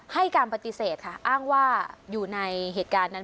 ให้การปฏิเสธค่ะอ้างว่าอยู่ในเหตุการณ์นั้น